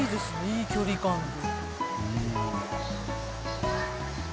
いい距離感で。